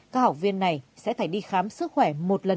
các học viên này sẽ phải đi khám sức khỏe